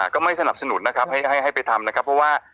ก็ไม่สนับสนุนนะครับให้ไปทำนะครับเพราะว่า